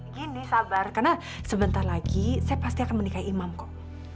gini sabar karena sebentar lagi saya pasti akan menikahi imam kok